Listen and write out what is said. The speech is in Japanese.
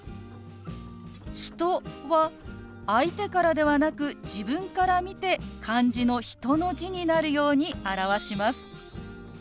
「人」は相手からではなく自分から見て漢字の「人」の字になるように表します。